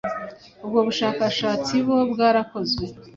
ubwo bushakashatsi bo bwarakozwe